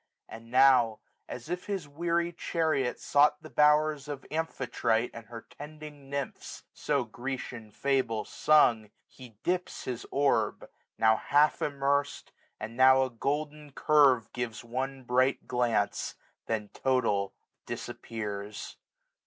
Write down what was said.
And now. As if his weary chariot sought the bowers Of Amphitrite, and her tending nymphs, 1625 (So Grecian fable sung) he dips his orb j Now half immers'd ; and now a golden curve Gives one bright glance, then total disappears.